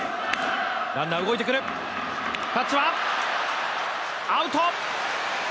タッチは、アウト！